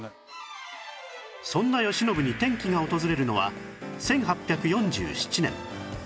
そんな慶喜に転機が訪れるのは１８４７年